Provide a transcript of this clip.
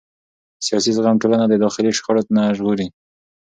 سیاسي زغم ټولنه د داخلي شخړو نه ژغوري